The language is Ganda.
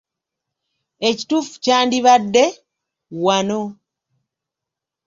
Ekituufu kyandibadde “wano.”